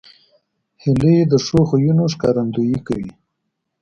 هیلۍ د ښو خویونو ښکارندویي کوي